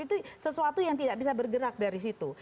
itu sesuatu yang tidak bisa bergerak dari situ